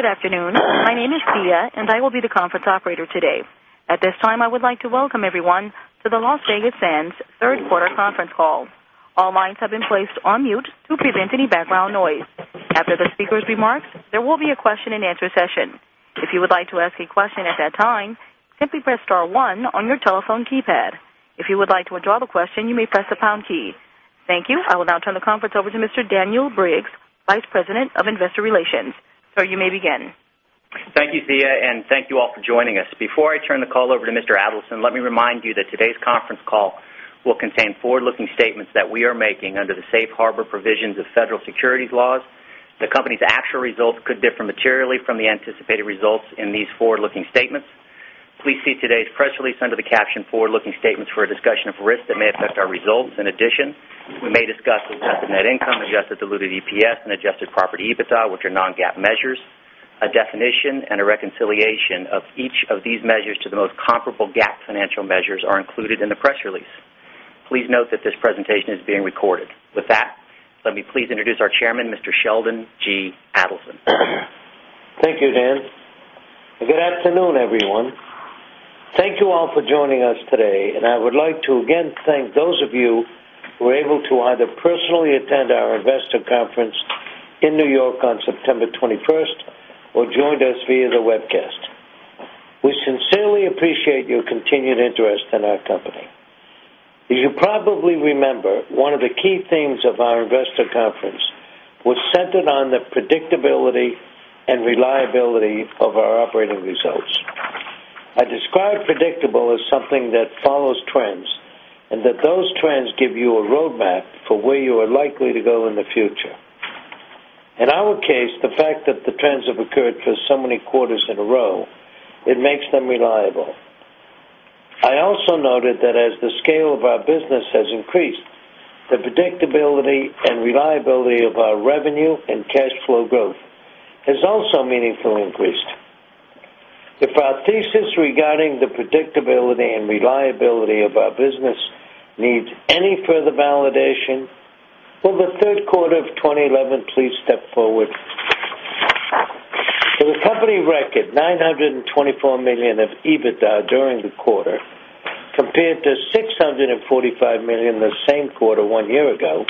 Good afternoon. My name is Thea, and I will be the conference operator today. At this time, I would like to welcome everyone to the Las Vegas Sands Third Quarter Conference Call. All lines have been placed on mute to prevent any background noise. After the speaker's remarks, there will be a question and answer session. If you would like to ask a question at that time, simply press star one on your telephone keypad. If you would like to withdraw the question, you may press the pound key. Thank you. I will now turn the conference over to Mr. Daniel Briggs, Vice President of Investor Relations. Sir, you may begin. Thank you, Thea, and thank you all for joining us. Before I turn the call over to Mr. Adelson, let me remind you that today's conference call will contain forward-looking statements that we are making under the Safe Harbor provisions of federal securities laws. The company's actual results could differ materially from the anticipated results in these forward-looking statements. Please see today's press release under the caption "Forward-looking statements" for a discussion of risks that may affect our results. In addition, we may discuss adjusted net income, adjusted diluted EPS, and adjusted property EBITDA, which are non-GAAP measures. A definition and a reconciliation of each of these measures to the most comparable GAAP financial measures are included in the press release. Please note that this presentation is being recorded. With that, let me please introduce our Chairman, Mr. Sheldon G. Adelson. Thank you, Dan. Good afternoon, everyone. Thank you all for joining us today, and I would like to again thank those of you who were able to either personally attend our Investor Conference in New York on September 21 or joined us via the webcast. We sincerely appreciate your continued interest in our company. As you probably remember, one of the key themes of our Investor Conference was centered on the predictability and reliability of our operating results. I describe predictable as something that follows trends and that those trends give you a roadmap for where you are likely to go in the future. In our case, the fact that the trends have occurred for so many quarters in a row makes them reliable. I also noted that as the scale of our business has increased, the predictability and reliability of our revenue and cash flow growth has also meaningfully increased. If our thesis regarding the predictability and reliability of our business needs any further validation, for the third quarter of 2011, please step forward. For the company record, $924 million of EBITDA during the quarter compared to $645 million the same quarter one year ago,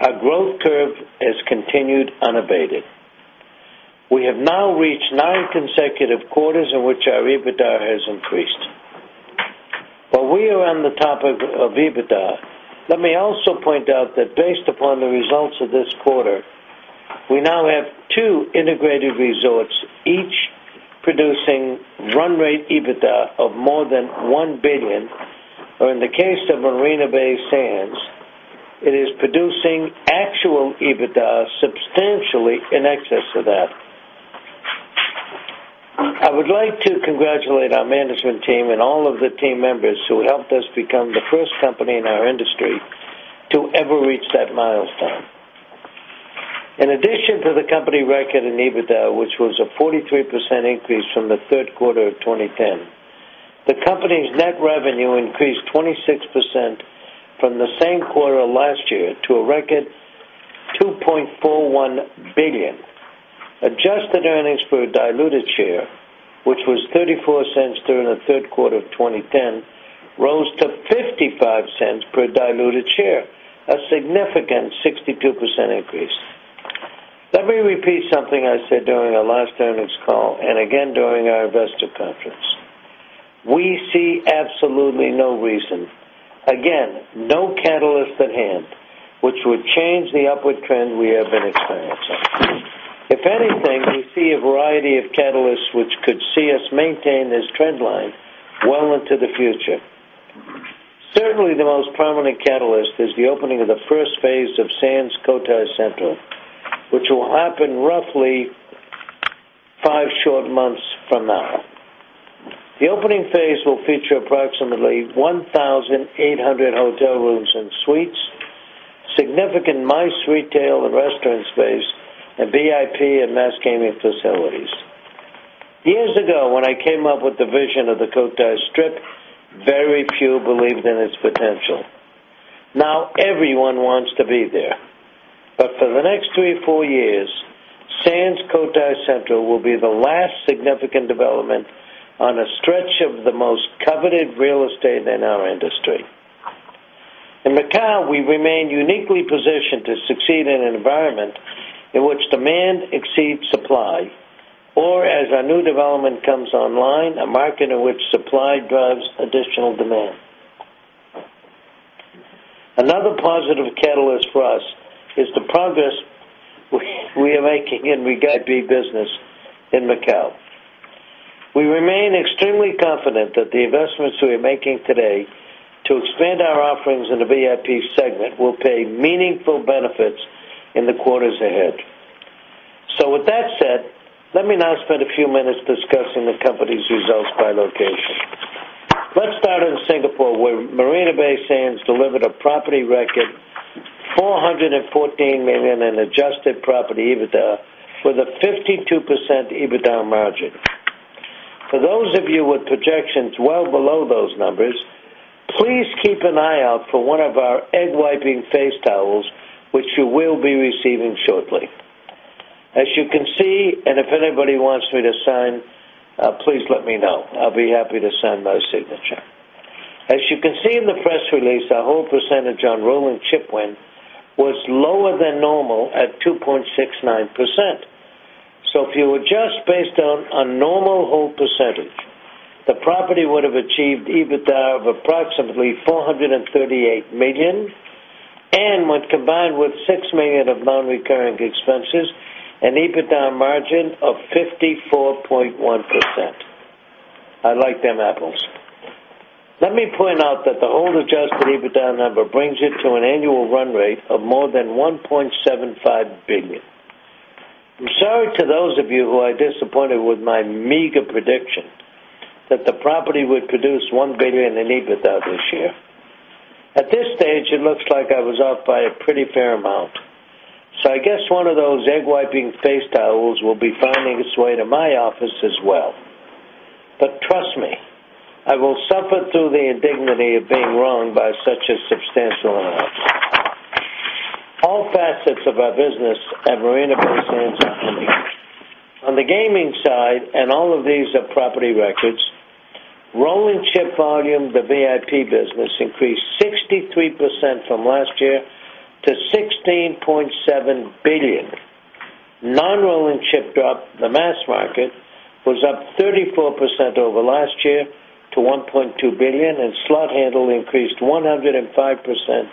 our growth curve has continued unabated. We have now reached nine consecutive quarters in which our EBITDA has increased. While we are on the topic of EBITDA, let me also point out that based upon the results of this quarter, we now have two integrated resorts, each producing run rate EBITDA of more than $1 billion. In the case of Marina Bay Sands, it is producing actual EBITDA substantially in excess of that. I would like to congratulate our management team and all of the team members who helped us become the first company in our industry to ever reach that milestone. In addition to the company record in EBITDA, which was a 43% increase from the third quarter of 2010, the company's net revenue increased 26% from the same quarter last year to a record of $2.41 billion. Adjusted earnings per diluted share, which was $0.34 during the third quarter of 2010, rose to $0.55 per diluted share, a significant 62% increase. Let me repeat something I said during our last earnings call and again during our Investor Conference. We see absolutely no reason, again, no catalyst at hand which would change the upward trend we have been experiencing. If anything, we see a variety of catalysts which could see us maintain this trend line well into the future. Certainly, the most prominent catalyst is the opening of the first phase of Sands Cotai Central, which will happen roughly five short months from now. The opening phase will feature approximately 1,800 hotel rooms and suites, significant nice retail and restaurant space, and VIP and mass gaming facilities. Years ago, when I came up with the vision of the Cotai Strip, very few believed in its potential. Now everyone wants to be there. For the next three or four years, Sands Cotai Central will be the last significant development on a stretch of the most coveted real estate in our industry. In Macau, we remain uniquely positioned to succeed in an environment in which demand exceeds supply or, as our new development comes online, a market in which supply drives additional demand. Another positive catalyst for us is the progress we are making in VIP business in Macau. We remain extremely confident that the investments we are making today to expand our offerings in the VIP segment will pay meaningful benefits in the quarters ahead. With that said, let me now spend a few minutes discussing the company's results by location. Let's start in Singapore, where Marina Bay Sands delivered a property record of $414 million in adjusted property EBITDA for the 52% EBITDA margin. For those of you with projections well below those numbers, please keep an eye out for one of our egg-whipping face towels, which you will be receiving shortly. As you can see, and if anybody wants me to sign, please let me know. I'll be happy to sign my signature. As you can see in the press release, our hold percentage on rolling chip win was lower than normal at 2.69%. If you adjust based on a normal hold percentage, the property would have achieved EBITDA of approximately $438 million and would combine with $6 million of non-recurring expenses, an EBITDA margin of 54.1%. I like them apples. Let me point out that the hold adjusted EBITDA number brings it to an annual run rate of more than $1.75 billion. I'm sorry to those of you who are disappointed with my meager prediction that the property would produce $1 billion in EBITDA this year. At this stage, it looks like I was off by a pretty fair amount. I guess one of those egg-whipping face towels will be finding its way to my office as well. Trust me, I will suffer through the indignity of being wronged by such a substantial amount. All facets of our business at Marina Bay Sands are coming. On the gaming side, and all of these are property records, rolling chip volume in the VIP business increased 63% from last year to $16.7 billion. Non-rolling chip dropped, the mass market was up 34% over last year to $1.2 billion, and slot handle increased 105%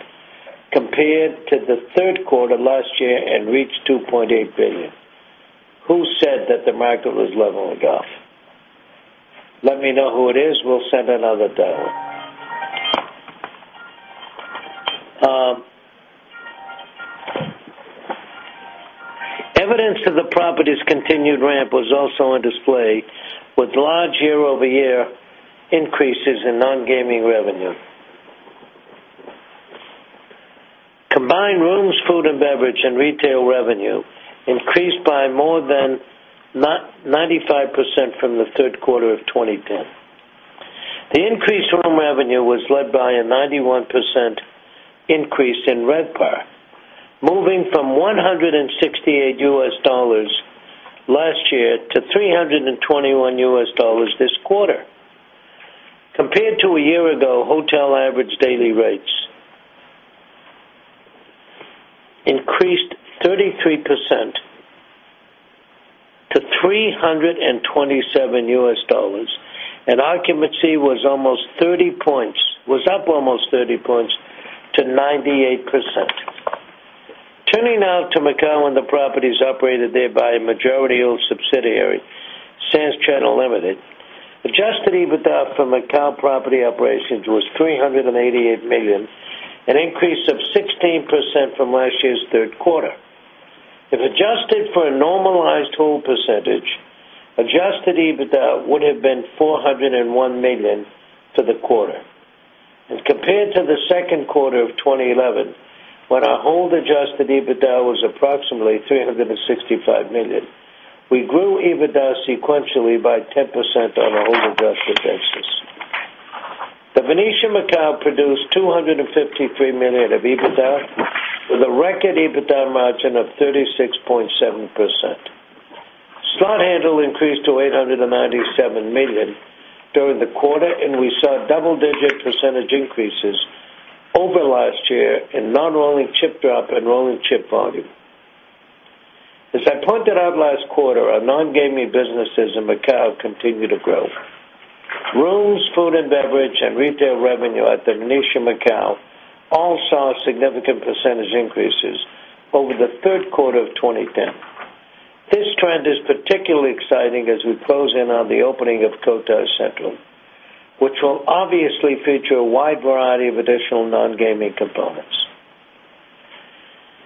compared to the third quarter last year and reached $2.8 billion. Who said that the market was leveling off? Let me know who it is. We'll send another demo in. Evidence of the property's continued ramp was also on display with large year-over-year increases in non-gaming revenue. Combined rooms, food and beverage, and retail revenue increased by more than 95% from the third quarter of 2010. The increased room revenue was led by a 91% increase in RevPAR, moving from $168 last year to $321 this quarter. Compared to a year ago, hotel average daily rates increased 33% to $327, and occupancy was up almost 30 points to 98%. Turning now to Macau, where the properties are operated there by a majority-owned subsidiary, Sands China Ltd., adjusted EBITDA for Macau property operations was $388 million, an increase of 16% from last year's third quarter. If adjusted for a normalized hold percentage, adjusted EBITDA would have been $401 million for the quarter. Compared to the second quarter of 2011, when our hold-adjusted EBITDA was approximately $365 million, we grew EBITDA sequentially by 10% on a hold-adjusted basis. The Venetian Macao produced $253 million of EBITDA with a record EBITDA margin of 36.7%. Slot handle increased to $897 million during the quarter, and we saw double-digit percentage increases over last year in non-rolling chip drop and rolling chip volume. As I pointed out last quarter, our non-gaming businesses in Macau continue to grow. Rooms, food and beverage, and retail revenue at The Venetian Macao all saw significant percentage increases over the third quarter of 2010. This trend is particularly exciting as we close in on the opening of Sands Cotai Central, which will obviously feature a wide variety of additional non-gaming components.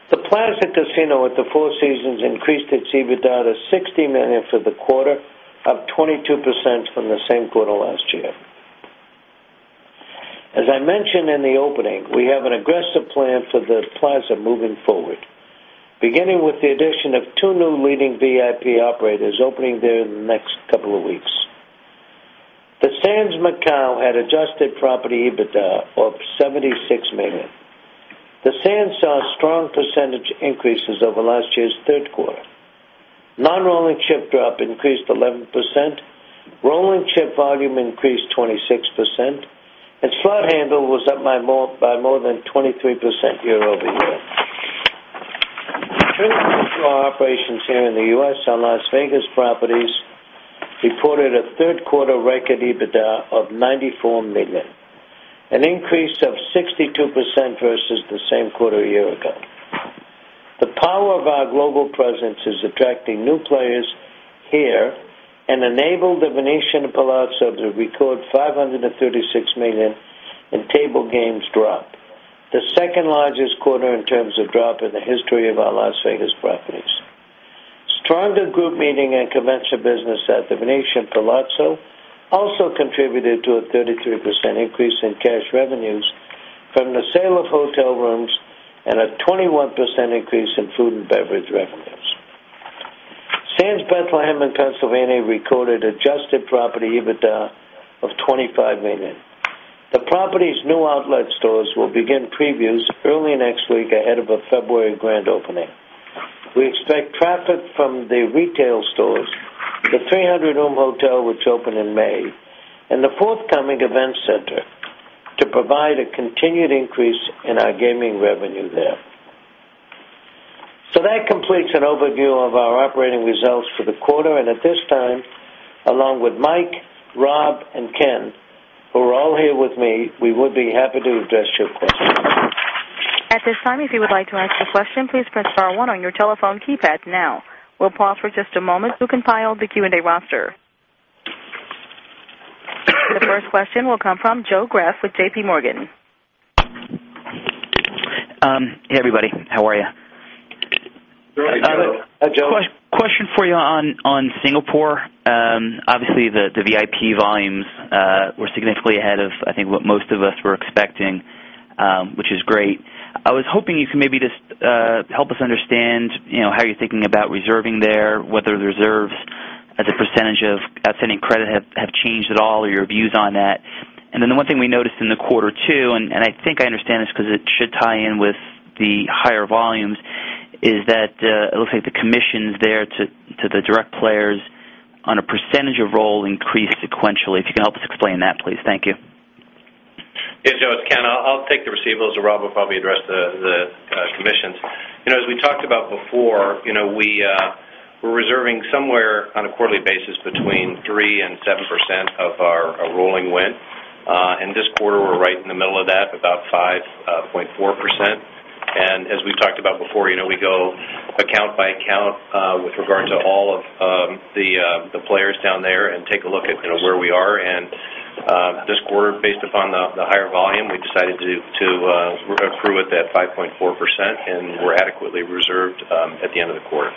The Plaza Casino at the Four Seasons increased its EBITDA to $60 million for the quarter, up 22% from the same quarter last year. As I mentioned in the opening, we have an aggressive plan for The Plaza moving forward, beginning with the addition of two new leading VIP operators opening there in the next couple of weeks. The Sands Macao had adjusted property EBITDA of $76 million. Las Vegas Sands saw strong percentage increases over last year's third quarter. Non-rolling chip drop increased 11%, rolling chip volume increased 26%, and slot handle was up by more than 23% year-over-year. Through our operations here in the U.S., our Las Vegas properties reported a third quarter record EBITDA of $94 million, an increase of 62% versus the same quarter a year ago. The power of our global presence is attracting new players here and enabled The Venetian Palazzo to record $536 million in table games drop, the second largest quarter in terms of drop in the history of our Las Vegas properties. Stronger group meeting and convention business at The Venetian Palazzo also contributed to a 33% increase in cash revenues from the sale of hotel rooms and a 21% increase in food and beverage revenues. Sands Bethlehem in Pennsylvania recorded adjusted property EBITDA of $25 million. The property's new outlet stores will begin previews early next week ahead of a February grand opening. We expect traffic from the retail stores, the 300-room hotel which opened in May, and the forthcoming event center to provide a continued increase in our gaming revenue there. That completes an overview of our operating results for the quarter. At this time, along with Mike, Rob, and Ken, who are all here with me, we would be happy to address your questions. At this time, if you would like to ask a question, please press star one on your telephone keypad now. We'll pause for just a moment to compile the Q&A roster. The first question will come from Joe Graff with JPMorgan. Hey, everybody. How are you? Hey, Joe. Question for you on Singapore. Obviously, the VIP volumes were significantly ahead of, I think, what most of us were expecting, which is great. I was hoping you could maybe just help us understand how you're thinking about reserving there, whether the reserves as a percentage of outstanding credit have changed at all or your views on that. The one thing we noticed in the quarter too, and I think I understand this because it should tie in with the higher volumes, is that it looks like the commissions there to the direct players on a percentage of roll increased sequentially. If you can help us explain that, please. Thank you. Hey, Joe. It's Ken. I'll take the receivables. Rob will probably address the commissions. As we talked about before, we're reserving somewhere on a quarterly basis between 3% and 7% of our rolling win. This quarter, we're right in the middle of that, about 5.4%. As we've talked about before, we go account by account with regard to all of the players down there and take a look at where we are. This quarter, based upon the higher volume, we've decided to accrue it at 5.4%, and we're adequately reserved at the end of the quarter.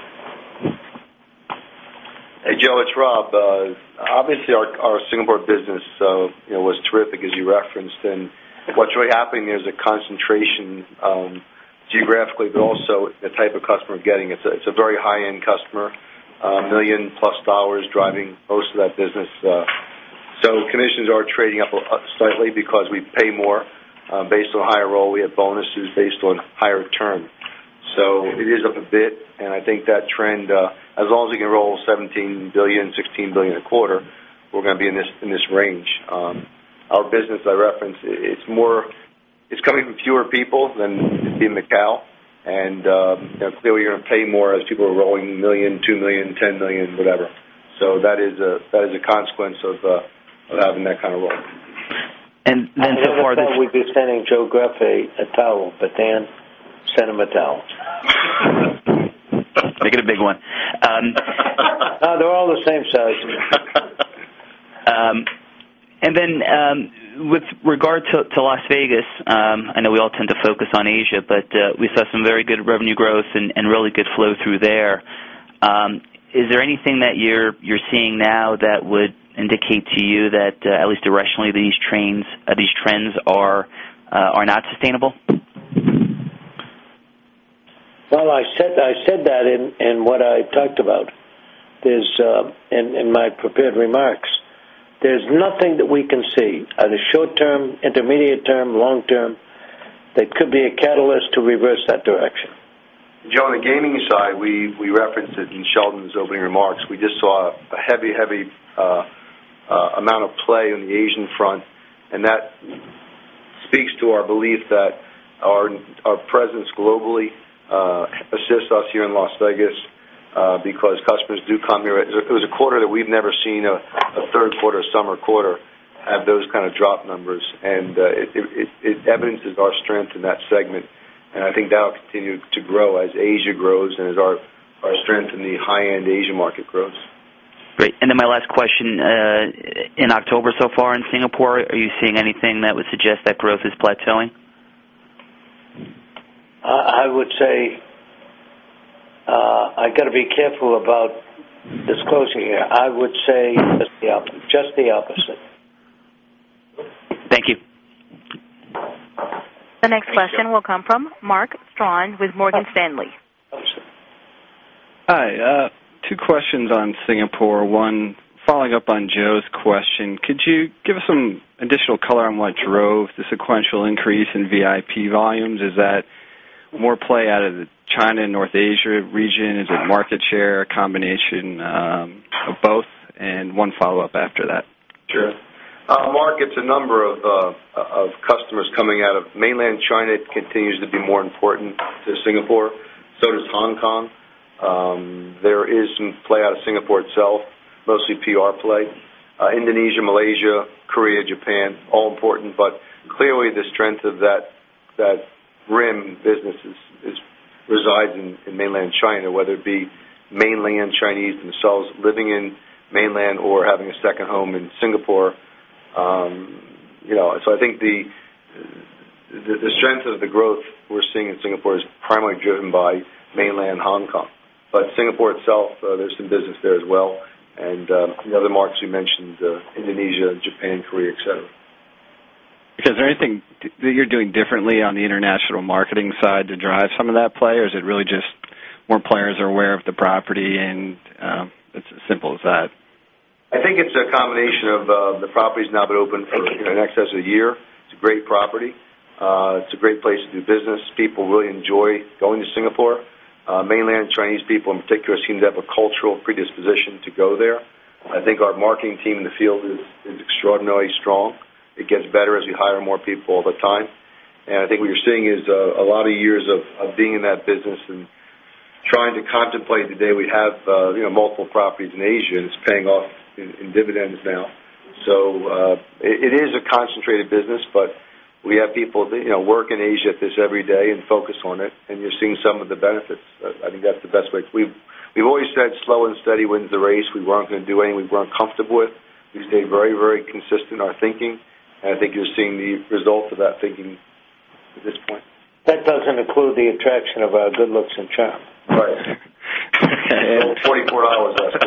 Hey, Joe. It's Rob. Obviously, our Singapore business was terrific, as you referenced. What's really happening is a concentration geographically, but also the type of customer we're getting. It's a very high-end customer, $1 million+ driving most of that business. Commissions are trading up slightly because we pay more based on a higher roll. We have bonuses based on higher turn. It is up a bit. I think that trend, as long as we can roll $17 billion, $16 billion a quarter, we're going to be in this range. Our business, I referenced, it's coming from fewer people than it did in Macau. Clearly, you're going to pay more as people are rolling $1 million, $2 million, $10 million, whatever. That is a consequence of having that kind of roll. So far, we've been sending Joe Graff out, but Daniel sent him out. Make it a big one. They're all the same size. With regard to Las Vegas, I know we all tend to focus on Asia, but we saw some very good revenue growth and really good flow through there. Is there anything that you're seeing now that would indicate to you that, at least irrationally, these trends are not sustainable? I said that in what I talked about in my prepared remarks. There's nothing that we can see at a short term, intermediate term, or long term that could be a catalyst to reverse that direction. Joe, on the gaming side, we referenced it in Sheldon's opening remarks. We just saw a heavy, heavy amount of play on the Asian front. That speaks to our belief that our presence globally assists us here in Las Vegas because customers do come here. It was a quarter that we've never seen, a third quarter, summer quarter, have those kind of drop numbers. It evidences our strength in that segment. I think that'll continue to grow as Asia grows and as our strength in the high-end Asia market grows. Great. My last question, in October so far in Singapore, are you seeing anything that would suggest that growth is plateauing? I would say I got to be careful about disclosing here. I would say just the opposite. Thank you. The next question will come from Mark Strawn with Morgan Stanley. Hi. Two questions on Singapore. One, following up on Joe's question, could you give us some additional color on what drove the sequential increase in VIP volumes? Is that more play out of the China and North Asia region? Is it market share, a combination of both? I have one follow-up after that. Sure. Mark, it's a number of customers coming out of mainland China. It continues to be more important to Singapore. So does Hong Kong. There is some play out of Singapore itself, mostly PR play. Indonesia, Malaysia, Korea, Japan are all important. Clearly, the strength of that rim business resides in mainland China, whether it be mainland Chinese themselves living in mainland or having a second home in Singapore. I think the strength of the growth we're seeing in Singapore is primarily driven by mainland, Hong Kong. Singapore itself, there's some business there as well, and the other markets you mentioned, Indonesia, Japan, Korea, etc. Is there anything that you're doing differently on the international marketing side to drive some of that play, or is it really just more players are aware of the property and it's as simple as that? I think it's a combination of the property's now been open for in excess of a year. It's a great property. It's a great place to do business. People really enjoy going to Singapore. Mainland Chinese people in particular seem to have a cultural predisposition to go there. I think our marketing team in the field is extraordinarily strong. It gets better as we hire more people all the time. I think what you're seeing is a lot of years of being in that business and trying to contemplate the day we have multiple properties in Asia, and it's paying off in dividends now. It is a concentrated business. We have people work in Asia at this every day and focus on it. You're seeing some of the benefits. I think that's the best way. We've always said slow and steady wins the race. We weren't going to do anything we weren't comfortable with. We stay very, very consistent in our thinking. I think you're seeing the results of that thinking at this point. That doesn't include the attraction of good looks and charm. Right. 24 hours left.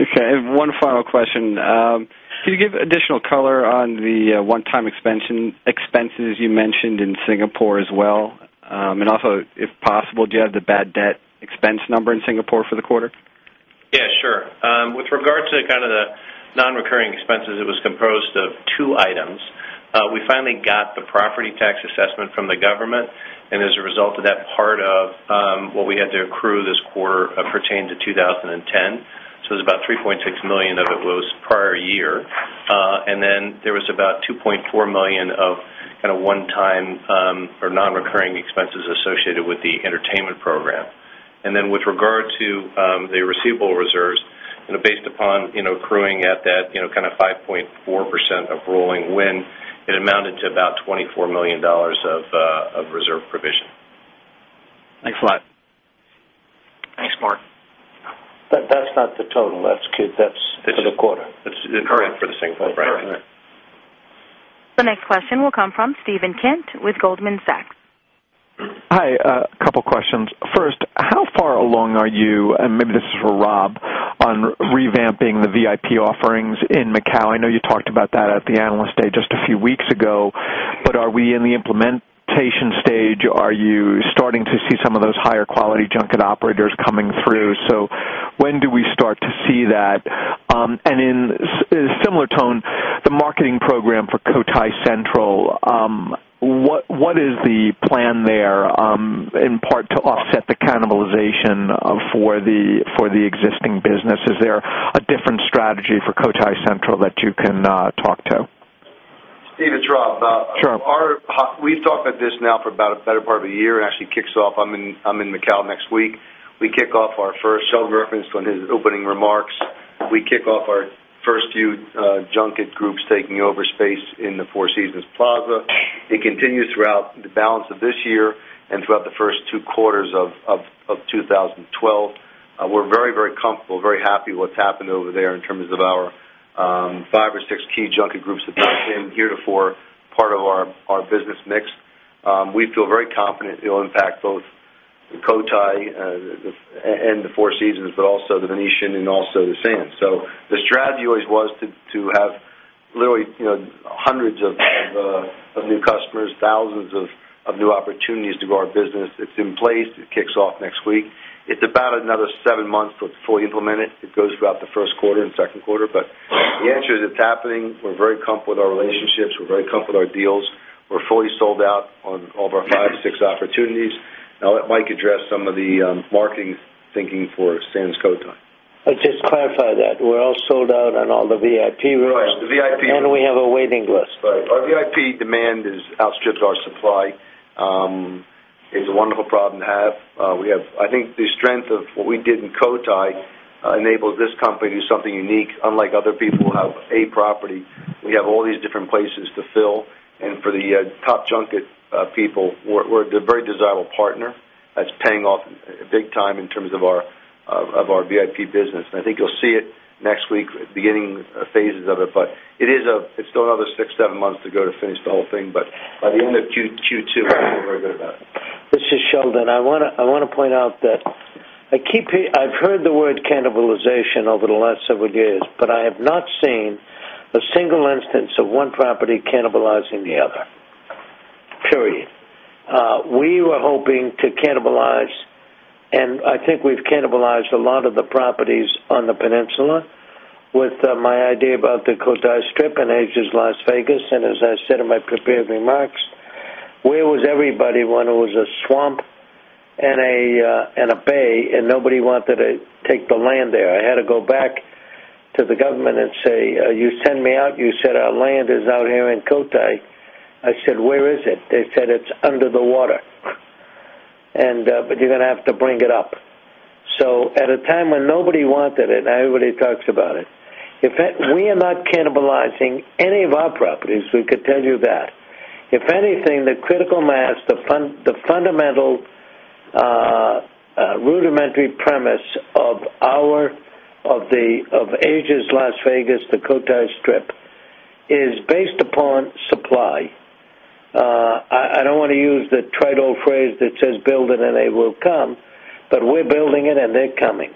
OK. One final question. Could you give additional color on the one-time expenses you mentioned in Singapore as well? Also, if possible, do you have the bad debt expense number in Singapore for the quarter? Yeah, sure. With regard to kind of the non-recurring expenses, it was composed of two items. We finally got the property tax assessment from the government, and as a result of that, part of what we had to accrue this quarter pertained to 2010. It was about $3.6 million of it was prior year. There was about $2.4 million of kind of one-time or non-recurring expenses associated with the entertainment program. With regard to the receivable reserves, based upon accruing at that kind of 5.4% of rolling win, it amounted to about $24 million of reserve provision. Thanks a lot. Thanks, Mark. That's not the total. That's for the quarter. Correct. For the Singapore brand. All right. The next question will come from Steven Kent with Goldman Sachs. Hi. A couple of questions. First, how far along are you, and maybe this is for Rob, on revamping the VIP offerings in Macau? I know you talked about that at the Analyst Day just a few weeks ago. Are we in the implementation stage? Are you starting to see some of those higher quality junket operators coming through? When do we start to see that? In a similar tone, the marketing program for Sands Cotai Central, what is the plan there in part to offset the cannibalization for the existing business? Is there a different strategy for Sands Cotai Central that you can talk to? Steve, it's Rob. Sure. We've talked about this now for about the better part of a year. It actually kicks off. I'm in Macau next week. We kick off our first, Sheldon referenced one of his opening remarks. We kick off our first few junket groups taking over space in the Four Seasons Plaza. It continues throughout the balance of this year and throughout the first two quarters of 2012. We're very, very comfortable, very happy with what's happened over there in terms of our five or six key junket groups that are geared for part of our business mix. We feel very confident it'll impact both Cotai and the Four Seasons, but also The Venetian and also the Sands. The strategy always was to have literally hundreds of new customers, thousands of new opportunities to grow our business. It's in place. It kicks off next week. It's about another seven months to fully implement it. It goes throughout the first quarter and second quarter. The answer is it's happening. We're very comfortable with our relationships. We're very comfortable with our deals. We're fully sold out on all of our five, six opportunities. Now let Mike address some of the marketing thinking for Sands Cotai. I'll just clarify that. We're all sold out on all the VIP rooms. Right. The VIP. We have a waiting list. Right. Our VIP demand has outstripped our supply. It's a wonderful problem to have. I think the strength of what we did in Cotai enables this company to do something unique, unlike other people who have a property. We have all these different places to fill. For the top junket people, we're a very desirable partner that's paying off big time in terms of our VIP business. I think you'll see it next week, beginning phases of it. It's still another six, seven months to go to finish the whole thing. By the end of Q2, we'll feel very good about it. This is Sheldon. I want to point out that I keep hearing, I've heard the word cannibalization over the last several years, but I have not seen a single instance of one property cannibalizing the other, period. We were hoping to cannibalize, and I think we've cannibalized a lot of the properties on the peninsula with my idea about the Cotai Strip and Asia's Las Vegas. As I said in my prepared remarks, where was everybody when it was a swamp and a bay and nobody wanted to take the land there? I had to go back to the government and say, you send me out. You said our land is out here in Cotai. I said, where is it? They said it's under the water, but you're going to have to bring it up. At a time when nobody wanted it, and everybody talks about it, in fact, we are not cannibalizing any of our properties. We could tell you that. If anything, the critical mass, the fundamental rudimentary premise of Asia's Las Vegas, the Cotai Strip, is based upon supply. I don't want to use the trite old phrase that says build it and they will come, but we're building it and they're coming.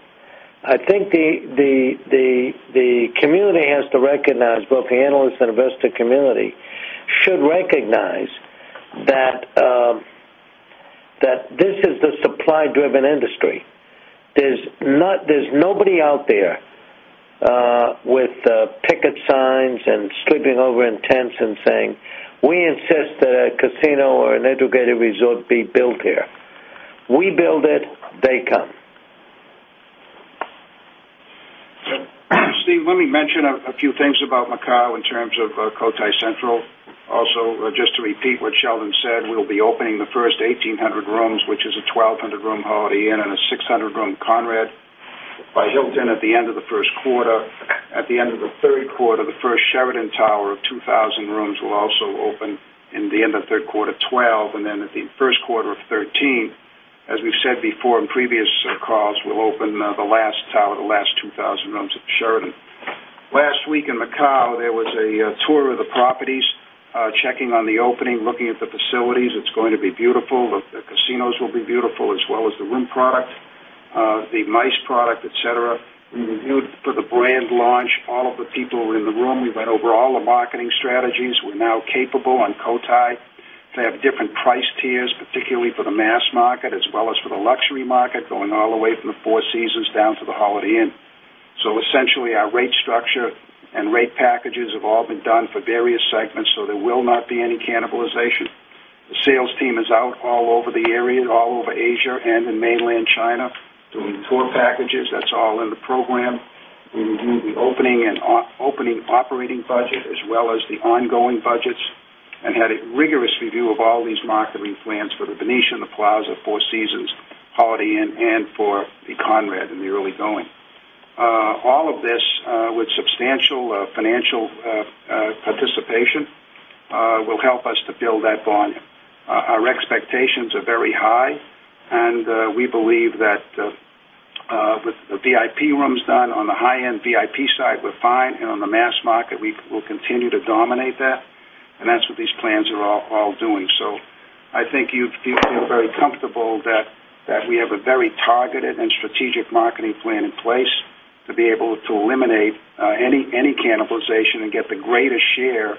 I think the community has to recognize, both the analysts and investor community should recognize that this is the supply-driven industry. There's nobody out there with picket signs and sweeping over in tents and saying, we insist that a casino or an educated resort be built here. We build it, they come. Let me mention a few things about Macau in terms of Sands Cotai Central. Also, just to repeat what Sheldon said, we'll be opening the first 1,800 rooms, which is a 1,200-room Holiday Inn and a 600-room Conrad by Hilton at the end of the first quarter. At the end of the third quarter, the first Sheraton Tower of 2,000 rooms will also open at the end of the third quarter, 2012. Then at the first quarter of 2013, as we've said before in previous calls, we'll open the last tower, the last 2,000 rooms at Sheraton. Last week in Macau, there was a tour of the properties, checking on the opening, looking at the facilities. It's going to be beautiful. The casinos will be beautiful, as well as the LIM product, the MICE product, etc. We reviewed for the brand launch all of the people in the room. We went over all the marketing strategies. We're now capable on Cotai to have different price tiers, particularly for the mass market, as well as for the luxury market, going all the way from the Four Seasons down to the Holiday Inn. Essentially, our rate structure and rate packages have all been done for various segments, so there will not be any cannibalization. The sales team is out all over the area, all over Asia and in mainland China, doing tour packages. That's all in the program. We reviewed the opening and operating budget, as well as the ongoing budgets, and had a rigorous review of all these marketing plans for The Venetian, The Plaza, Four Seasons, Holiday Inn, and for the Conrad in the early going. All of this with substantial financial participation will help us to build that volume. Our expectations are very high, and we believe that with the VIP rooms done on the high-end VIP side, we're fine. On the mass market, we will continue to dominate that. That's what these plans are all doing. I think you feel very comfortable that we have a very targeted and strategic marketing plan in place to be able to eliminate any cannibalization and get the greatest share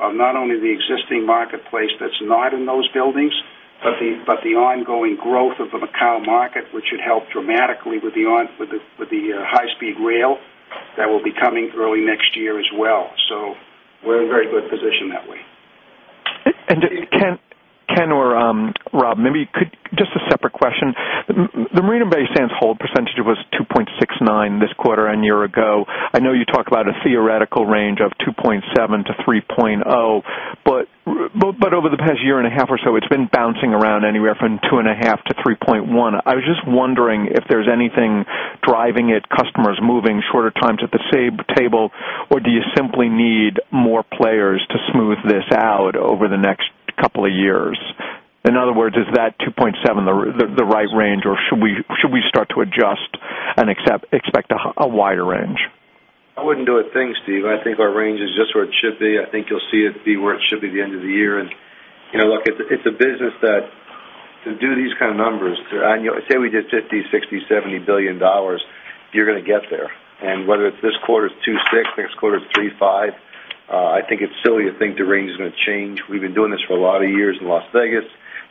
of not only the existing marketplace that's not in those buildings, but the ongoing growth of the Macau market, which should help dramatically with the high-speed rail that will be coming through next year as well. We're in a very good position that way. Ken or Rob, maybe you could just a separate question. The Marina Bay Sands hold percentage was 2.69% this quarter and a year ago. I know you talk about a theoretical range of 2.7%-3.0%. Over the past year and a half or so, it's been bouncing around anywhere from 2.5%-3.1%. I was just wondering if there's anything driving it, customers moving, shorter times at the table, or do you simply need more players to smooth this out over the next couple of years? In other words, is that 2.7% the right range, or should we start to adjust and expect a wider range? I wouldn't do it. Thanks, Steve. I think our range is just where it should be. I think you'll see it be where it should be at the end of the year. It's a business that to do these kind of numbers, say we did $50 billion, $60 billion, $70 billion, you're going to get there. Whether it's this quarter's too thick, next quarter's too thick, I think it's silly to think the range is going to change. We've been doing this for a lot of years in Las Vegas.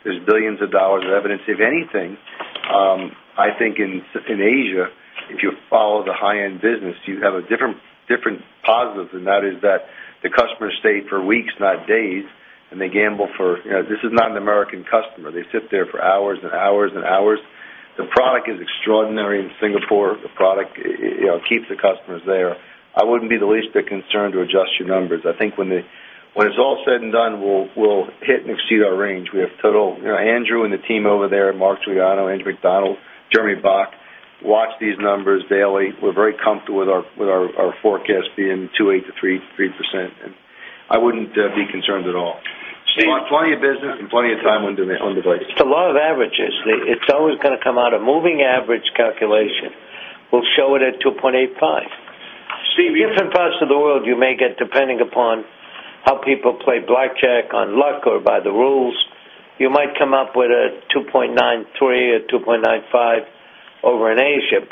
There's billions of dollars of evidence. If anything, I think in Asia, if you follow the high-end business, you have a different positive. That is that the customers stay for weeks, not days, and they gamble for this is not an American customer. They sit there for hours and hours and hours. The product is extraordinary in Singapore. The product keeps the customers there. I wouldn't be the least bit concerned to adjust your numbers. I think when it's all said and done, we'll hit and exceed our range. We have total, you know, Andrew and the team over there, Mark Giuliano, Andrew McDonald, Jeremy Bock, watch these numbers daily. We're very comfortable with our forecast being 2.8%-3.8%. I wouldn't be concerned at all. Plenty of business and plenty of time on the plate. It's a lot of averages. It's always going to come out a moving average calculation. We'll show it at 2.85. In different parts of the world, you may get, depending upon how people play blackjack on luck or by the rules, you might come up with a 2.93 or 2.95 over in Asia.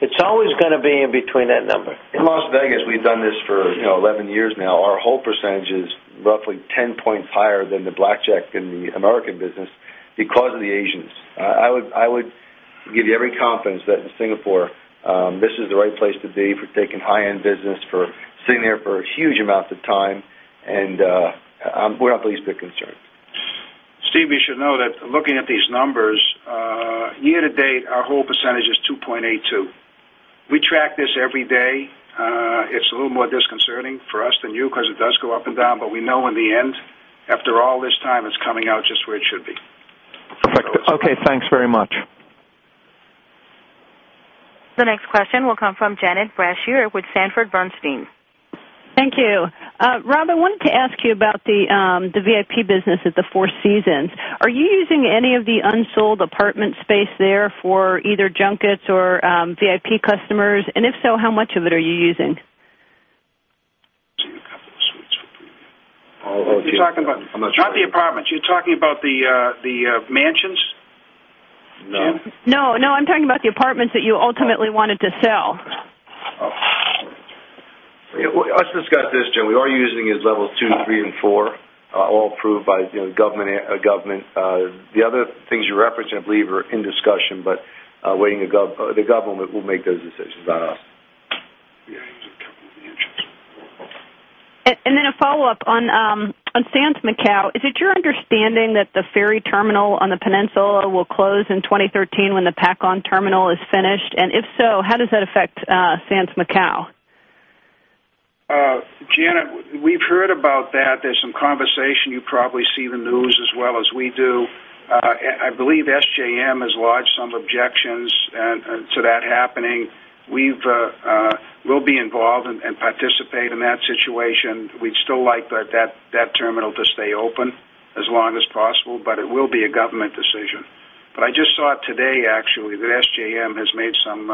It's always going to be in between that number. In Las Vegas, we've done this for 11 years now. Our hold percentage is roughly 10% higher than the blackjack in the American business because of the Asians. I would give you every confidence that in Singapore, this is the right place to be for taking high-end business, for sitting there for huge amounts of time. We're not the least bit concerned. Steve, you should know that looking at these numbers, year to date, our hold percentage is 2.82%. We track this every day. It's a little more disconcerting for us than you because it does go up and down. We know in the end, after all this time, it's coming out just where it should be. Perfect. OK. Thanks very much. The next question will come from Janet Brashear with Sanford Bernstein. Thank you. Rob, I wanted to ask you about the VIP business at the Four Seasons. Are you using any of the unsold apartment space there for either junkets or VIP customers? If so, how much of it are you using? Oh, you're talking about not the apartments. You're talking about the mansions? No. No, no. I'm talking about the apartments that you ultimately wanted to sell. Let's discuss this, Jen. We are using levels 2, 3, and 4, all approved by the government. The other things you're referencing, I believe, are in discussion, but the government will make those decisions about us. A follow-up on Sands Macau. Is it your understanding that the ferry terminal on the peninsula will close in 2013 when the Pacon terminal is finished? If so, how does that affect Sands Macau? We've heard about that. There's some conversation. You probably see the news as well as we do. I believe SJM has lodged some objections to that happening. We'll be involved and participate in that situation. We'd still like that terminal to stay open as long as possible. It will be a government decision. I just saw it today, actually, that SJM has made some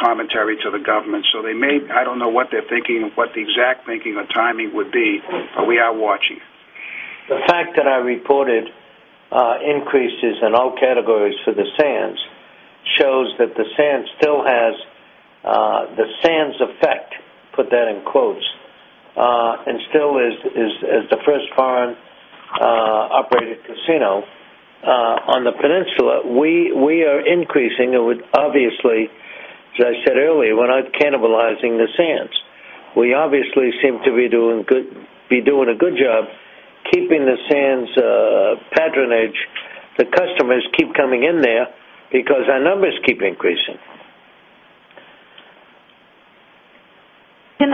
commentary to the government. They may, I don't know what they're thinking and what the exact thinking or timing would be, but we are watching. The fact that I reported increases in all categories for the Sands shows that the Sands still has the "Sands effect," put that in quotes, and still is the first foreign operated casino on the peninsula. We are increasing, and obviously, as I said earlier, we're not cannibalizing the Sands. We obviously seem to be doing a good job keeping the Sands patronage. The customers keep coming in there because our numbers keep increasing. Can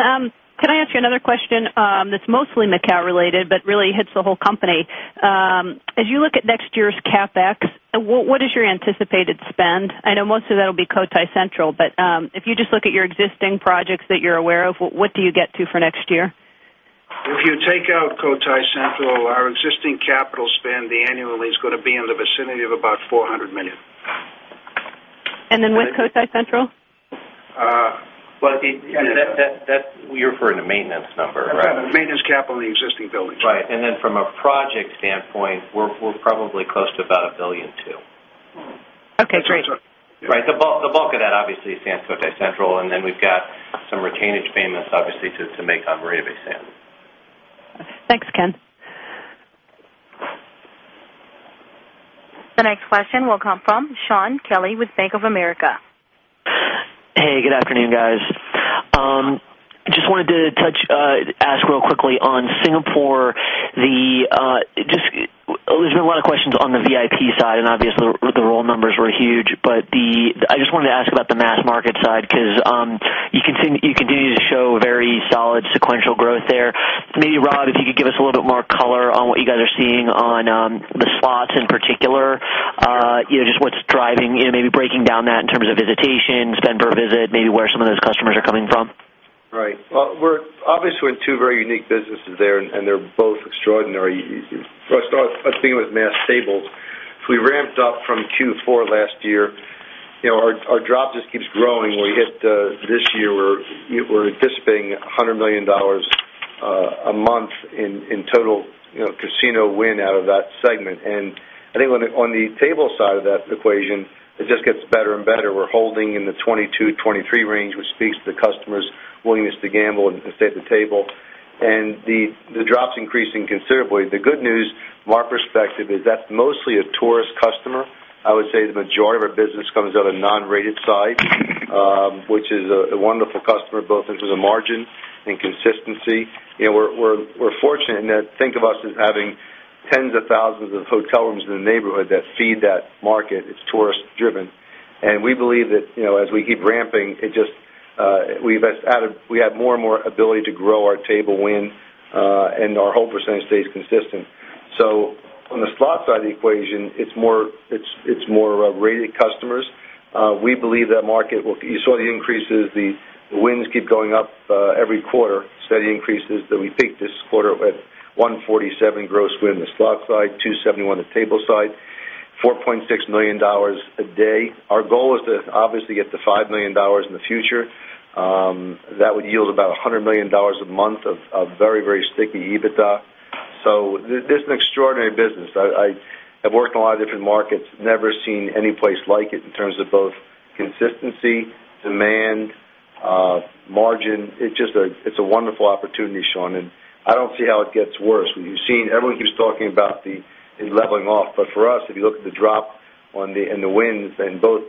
I ask you another question that's mostly Macau related, but really hits the whole company? As you look at next year's CAPEX, what is your anticipated spend? I know most of that will be Cotai Central. If you just look at your existing projects that you're aware of, what do you get to for next year? If you take out Sands Cotai Central, our existing capital spend annually is going to be in the vicinity of about $400 million. With Cotai Central? You're referring to maintenance number, right? Maintenance capital in the existing building. Right. From a project standpoint, we're probably close to about $1.2 billion too. OK. Right. The bulk of that obviously is Sands Cotai Central. We've got some retainage payments, obviously, to make on Marina Bay Sands. Thanks, Ken. The next question will come from Shaun Kelley with Bank of America. Hey, good afternoon, guys. I just wanted to ask real quickly on Singapore. There's been a lot of questions on the VIP side. Obviously, the roll numbers were huge. I just wanted to ask about the mass market side because you continue to show very solid sequential growth there. Maybe, Rob, if you could give us a little bit more color on what you guys are seeing on the slots in particular, just what's driving, maybe breaking down that in terms of visitation, spend per visit, maybe where some of those customers are coming from. Right. Obviously, we're in two very unique businesses there, and they're both extraordinary. I'll start. I think it was Mass Tables. If we ramped up from Q4 last year, our job just keeps growing. This year, we're anticipating $100 million a month in total casino win out of that segment. I think on the table side of that equation, it just gets better and better. We're holding in the 22%, 23% range, which speaks to the customer's willingness to gamble and stay at the table. The drop's increasing considerably. The good news, from our perspective, is that's mostly a tourist customer. I would say the majority of our business comes out of the non-rated side, which is a wonderful customer, both in terms of margin and consistency. We're fortunate in that think of us as having tens of thousands of hotel rooms in the neighborhood that feed that market. It's tourist-driven. We believe that as we keep ramping, we have more and more ability to grow our table win, and our hold percentage stays consistent. On the slot side of the equation, it's more rated customers. We believe that market will, you saw the increases. The wins keep going up every quarter, steady increases. We think this quarter we have $147 million gross win on the slot side, $271 million on the table side, $4.6 million a day. Our goal is to obviously get to $5 million in the future. That would yield about $100 million a month of very, very sticky EBITDA. This is an extraordinary business. I have worked in a lot of different markets, never seen any place like it in terms of both consistency, demand, margin. It's just a wonderful opportunity, Shaun. I don't see how it gets worse. You've seen everyone keeps talking about it leveling off. For us, if you look at the drop and the wins in both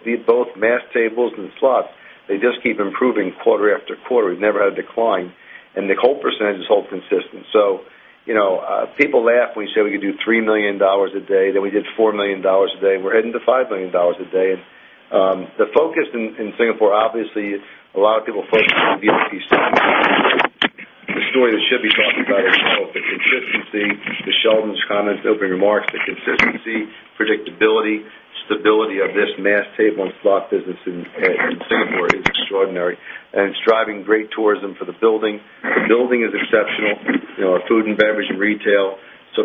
Mass Tables and the slots, they just keep improving quarter-after-quarter. We've never had a decline. The hold percentage is hold consistent. People laugh when you say we could do $3 million a day. Then we did $4 million a day. We're heading to $5 million a day. The focus in Singapore, obviously, a lot of people focus on the story they should be talking about is consistency. To Sheldon's comments, opening remarks, the consistency, predictability, stability of this Mass Table and Slot business in Singapore is extraordinary. It's driving great tourism for the building. The building is exceptional, food and beverage and retail.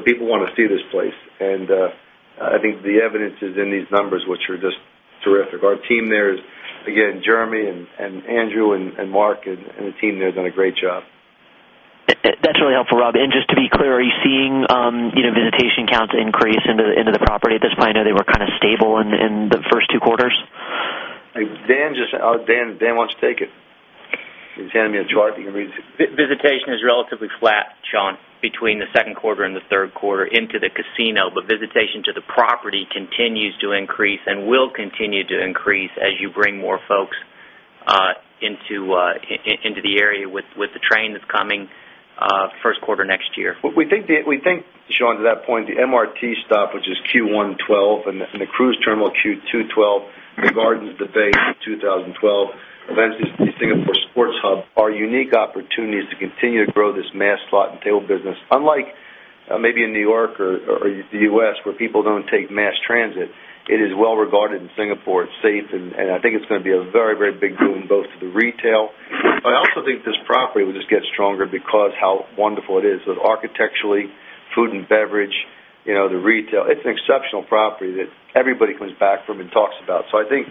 People want to see this place. I think the evidence is in these numbers, which are just terrific. Our team there is, again, Jeremy and Andrew and Mark and the team there, have done a great job. That's really helpful, Rob. Just to be clear, are you seeing visitation counts increase into the property at this point? I know they were kind of stable in the first two quarters. Dan wants to take it. He's handing me a chart. You can read it. Visitation is relatively flat, Sean, between the second quarter and the third quarter into the casino. Visitation to the property continues to increase and will continue to increase as you bring more folks into the area with the train that's coming first quarter next year. We think, Sean, to that point, the MRT stop, which is Q1 2012, and the cruise terminal Q2 2012, the Gardens by the Bay in 2012, eventually Singapore Sports Hub, are unique opportunities to continue to grow this mass slot and table business. Unlike maybe in New York or the U.S., where people don't take mass transit, it is well regarded in Singapore. It's safe, and I think it's going to be a very, very big boom both to the retail. I also think this property will just get stronger because of how wonderful it is, both architecturally, food and beverage, the retail. It's an exceptional property that everybody comes back from and talks about. I think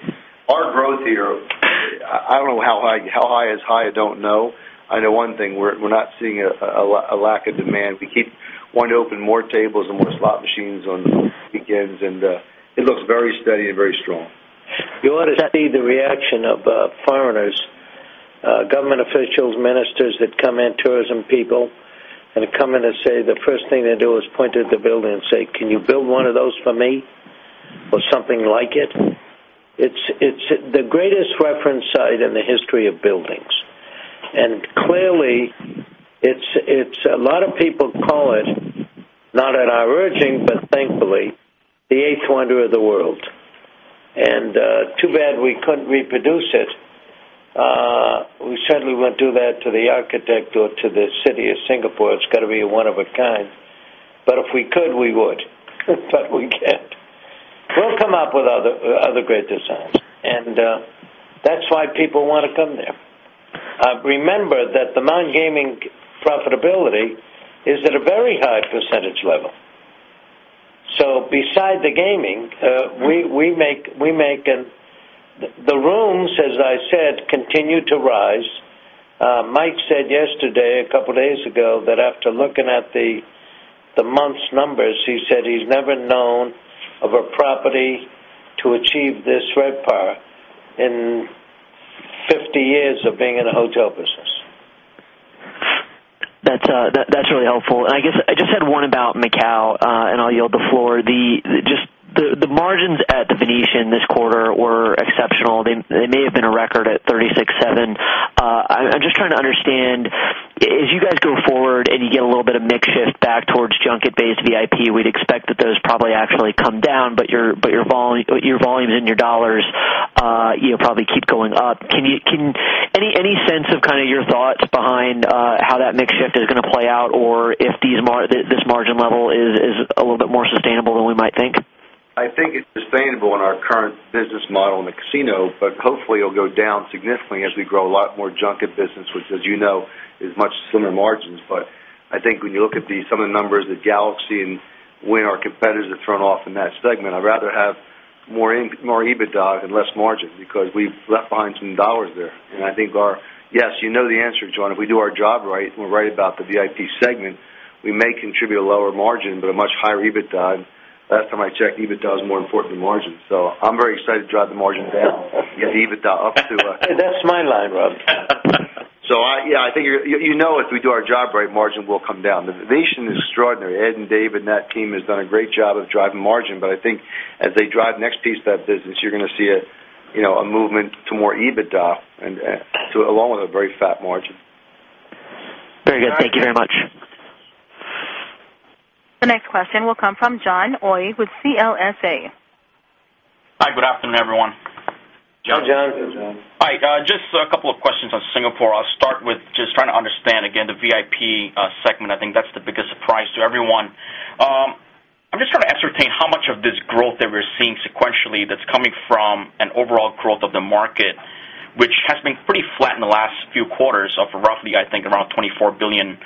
our growth here, I don't know how high is high, I don't know. I know one thing, we're not seeing a lack of demand. We keep wanting to open more tables and more slot machines on weekends, and it looks very steady and very strong. You ought to see the reaction of foreigners, government officials, ministers that come in, tourism people, and come in and say, the first thing they do is point at the building and say, can you build one of those for me or something like it? It's the greatest reference site in the history of buildings. Clearly, a lot of people call it, not at our urging, but thankfully, the eighth wonder of the world. Too bad we couldn't reproduce it. We certainly wouldn't do that to the architect or to the city of Singapore. It's got to be one of a kind. If we could, we would. We can't. We'll come up with other great designs. That's why people want to come there. Remember that the non-gaming profitability is at a very high percentage level. Beside the gaming, we make the rooms, as I said, continue to rise. Mike said yesterday, a couple of days ago, that after looking at the month's numbers, he said he's never known of a property to achieve this red bar in 50 years of being in the hotel business. That's really helpful. I guess I just had one about Macau, and I'll yield the floor. Just the margins at The Venetian this quarter were exceptional. They may have been a record at 36.7%. I'm just trying to understand, as you guys go forward and you get a little bit of a mix shift back towards junket-based VIP, we'd expect that those probably actually come down, but your volume and your dollars probably keep going up. Any sense of kind of your thoughts behind how that mix shift is going to play out or if this margin level is a little bit more sustainable than we might think? I think it's sustainable in our current business model in the casino. Hopefully, it'll go down significantly as we grow a lot more junket business, which, as you know, is much slimmer margins. I think when you look at some of the numbers that Galaxy and Wynn, our competitors, have thrown off in that segment, I'd rather have more EBITDA and less margin because we've left fines and dollars there. I think, yes, you know the answer, Shaun. If we do our job right and we're right about the VIP segment, we may contribute a lower margin but a much higher EBITDA. Last time I checked, EBITDA was more than fourth in margin. I'm very excited to drive the margin down, get the EBITDA up too. That's my line, Rob. I think you know if we do our job right, margin will come down. The Venetian is extraordinary. Ed and Dave and that team have done a great job of driving margin. I think as they drive next piece of that business, you're going to see a movement to more EBITDA along with a very fat margin. Very good. Thank you very much. The next question will come from John Oi with CLSA. Hi. Good afternoon, everyone. John. Hi, John. Hi. Just a couple of questions on Singapore. I'll start with just trying to understand, again, the VIP segment. I think that's the biggest surprise to everyone. I'm just trying to ascertain how much of this growth that we're seeing sequentially is coming from an overall growth of the market, which has been pretty flat in the last few quarters at roughly, I think, around $24 billion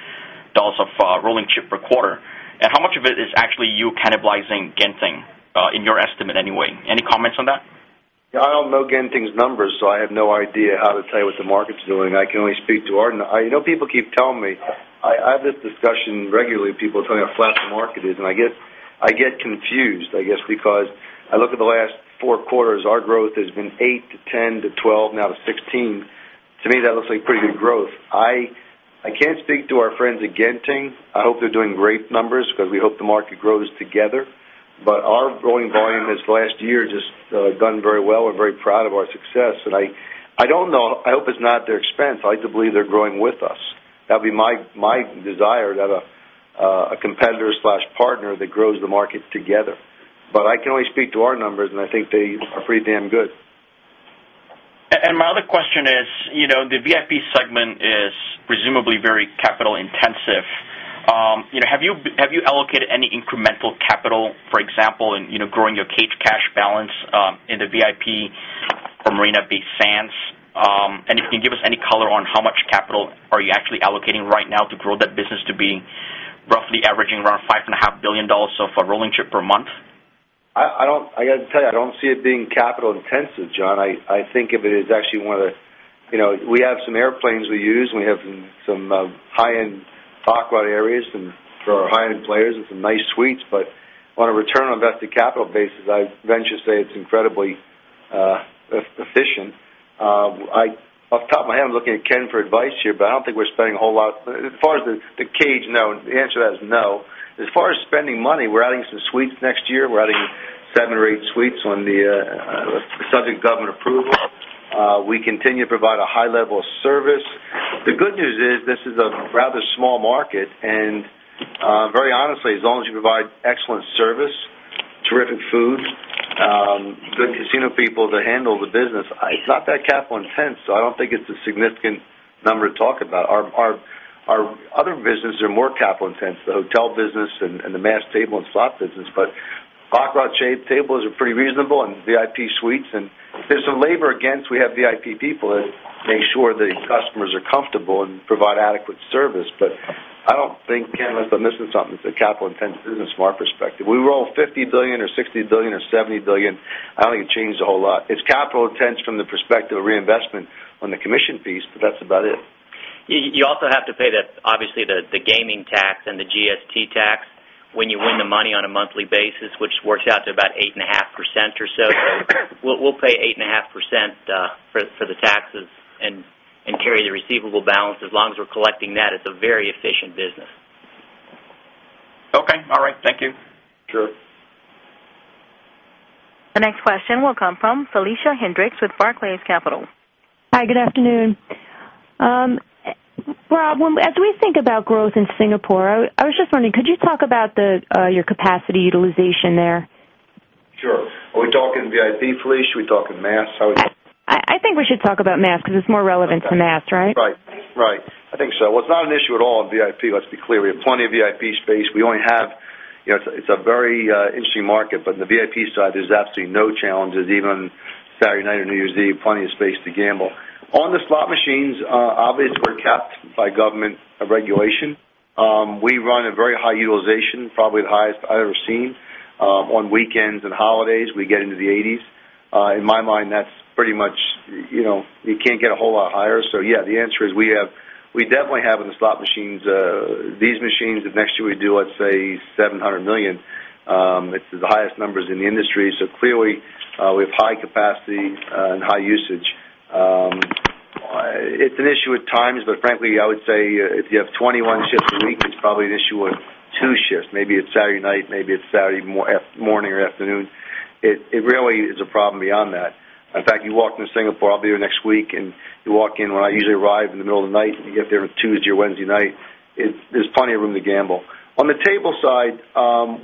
of rolling chip per quarter. How much of it is actually you cannibalizing Genting in your estimate anyway? Any comments on that? Yeah, I don't know Genting's numbers, so I have no idea how to tell you what the market's doing. I can only speak to our—I know people keep telling me. I have this discussion regularly with people telling me how flat the market is. I get confused, I guess, because I look at the last four quarters. Our growth has been 8% to 10% to 12%, now to 16%. To me, that looks like pretty good growth. I can't speak to our friends at Genting. I hope they're doing great numbers because we hope the market grows together. Our growing volume this last year has just done very well. We're very proud of our success. I don't know. I hope it's not at their expense. I like to believe they're growing with us. That would be my desire to have a competitor/partner that grows the market together. I can only speak to our numbers, and I think they are pretty damn good. My other question is, you know the VIP segment is presumably very capital intensive. Have you allocated any incremental capital, for example, in growing your cage cash balance in the VIP for Marina Bay Sands? If you can give us any color on how much capital are you actually allocating right now to grow that business to be roughly averaging around $5.5 billion of rolling chip per month? I got to tell you, I don't see it being capital intensive, John. I think of it as actually one of the—we have some airplanes we use. We have some high-end foxtrot areas for our high-end players and some nice suites. On a return on invested capital basis, I'd venture to say it's incredibly efficient. Off the top of my head, I'm looking at Ken for advice here. I don't think we're spending a whole lot as far as the cage, no. The answer to that is no. As far as spending money, we're adding some suites next year. We're adding seven or eight suites on the subject of government approvals. We continue to provide a high level of service. The good news is this is a rather small market. Very honestly, as long as you provide excellent service, terrific food, good casino people to handle the business, it's not that capital intense. I don't think it's a significant number to talk about. Our other businesses are more capital intense, the hotel business and the mass table and slot business. Foxtrot shaped tables are pretty reasonable and VIP suites. If there's some labor against, we have VIP people that make sure the customers are comfortable and provide adequate service. I don't think Ken must have been missing something with the capital intense business from our perspective. We roll $50 billion or $60 billion or $70 billion. I don't think it changes a whole lot. It's capital intense from the perspective of reinvestment on the commission piece, but that's about it. You also have to pay, obviously, the gaming tax and the GST tax when you win the money on a monthly basis, which works out to about 8.5% or so. We'll pay 8.5% for the taxes and carry the receivable balance. As long as we're collecting that, it's a very efficient business. OK. All right. Thank you. Sure. The next question will come from Felicia Hendrix with Barclays. Hi. Good afternoon. Rob, as we think about growth in Singapore, I was just wondering, could you talk about your capacity utilization there? Sure. Are we talking VIP, Felicia? Are we talking mass? I think we should talk about mass because it's more relevant to mass, right? Right. Right. I think so. It's not an issue at all in VIP. Let's be clear. We have plenty of VIP space. We only have—it's a very interesting market. In the VIP side, there's absolutely no challenges, even on Saturday night or New Year's Eve, plenty of space to gamble. On the slot machines, obviously, we're capped by government regulation. We run a very high utilization, probably the highest I've ever seen. On weekends and holidays, we get into the 80%. In my mind, that's pretty much you can't get a whole lot higher. The answer is we definitely have on the slot machines, these machines. Next year, we do, let's say, $700 million. It's the highest numbers in the industry. Clearly, we have high capacity and high usage. It's an issue at times. Frankly, I would say if you have 21 shifts a week, it's probably an issue with two shifts. Maybe it's Saturday night. Maybe it's Saturday morning or afternoon. It really is a problem beyond that. In fact, you walk into Singapore—I'll be there next week—and you walk in when I usually arrive in the middle of the night. You get there on Tuesday or Wednesday night, there's plenty of room to gamble. On the table side,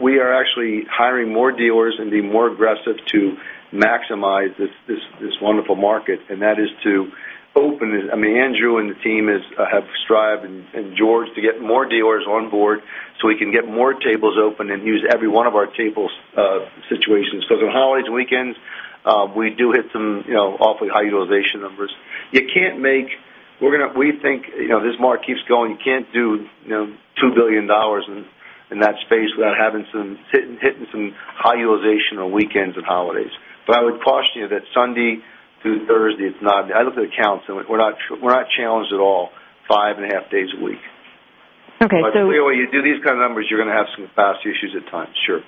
we are actually hiring more dealers and being more aggressive to maximize this wonderful market. That is to open—I mean, Andrew and the team have strived and George to get more dealers on board so we can get more tables open and use every one of our table situations. On holidays and weekends, we do hit some awfully high utilization numbers. You can't make—we think this market keeps going. You can't do $2 billion in that space without hitting some high utilization on weekends and holidays. I would caution you that Sunday through Thursday, it's not—I looked at accounts. We're not challenged at all five and a half days a week. OK. Clearly, you do these kind of numbers, you're going to have some capacity issues at times, sure.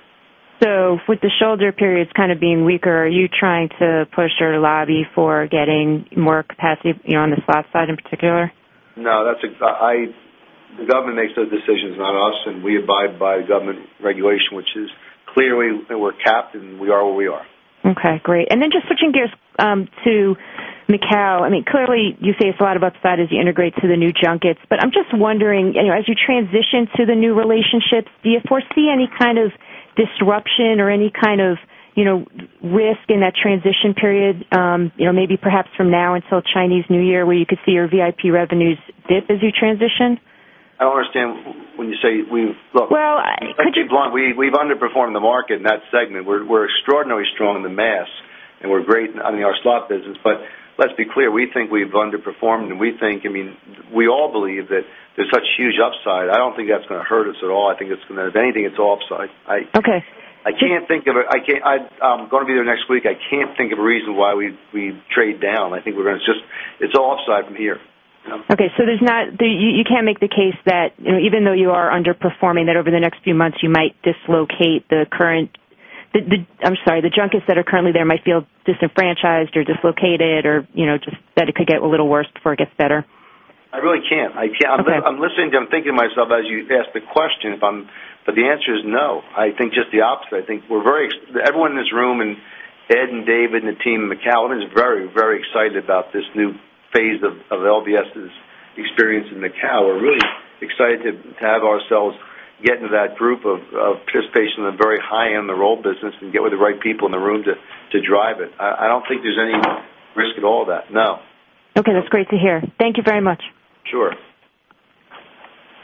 With the shoulder periods kind of being weaker, are you trying to push or lobby for getting more capacity on the slot side in particular? No. The government makes those decisions, not us. We abide by government regulation, which is clear we're capped. We are what we are. OK. Great. Just switching gears to Macau. Clearly, you say it's a lot about that as you integrate to the new junkets. I'm just wondering, as you transition to the new relationships, do you foresee any kind of disruption or any kind of risk in that transition period, maybe perhaps from now until Chinese New Year, where you could see your VIP revenues dip as you transition? I don't understand when you say we've underperformed the market in that segment. We're extraordinarily strong in the mass. We're great in our slot business. Let's be clear, we think we've underperformed, and we all believe that there's such huge upside. I don't think that's going to hurt us at all. I think it's going to, if anything, it's offside. OK. I can't think of a reason why we trade down. I'm going to be there next week. I think we're going to just, it's offside from here. OK. You can't make the case that even though you are underperforming, that over the next few months, you might dislocate the current junkets that are currently there, might feel disenfranchised or dislocated, or just that it could get a little worse before it gets better? It really can't. I'm listening to, I'm thinking to myself as you asked the question if I'm, but the answer is no. I think just the opposite. I think we're very, everyone in this room, and Ed and David and the team in Macau, everyone is very, very excited about this new phase of LVS's experience in Macau. We're really excited to have ourselves get into that group of participation in the very high end of the roll business and get with the right people in the room to drive it. I don't think there's any risk at all of that, no. OK, that's great to hear. Thank you very much. Sure.